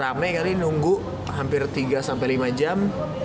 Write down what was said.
rame kali nunggu hampir tiga sampai lima jam